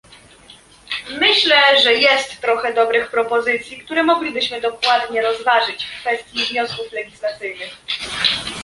Myślę, że jest trochę dobrych propozycji, które moglibyśmy dokładnie rozważyć w kwestii wniosków legislacyjnych